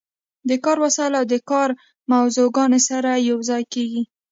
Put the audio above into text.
د کار وسایل او د کار موضوعګانې سره یوځای کیږي.